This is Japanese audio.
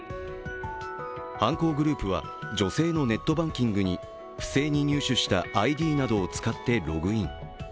犯行グループは女性のネットバンキングに不正に入手したＩＤなどを使ってログイン。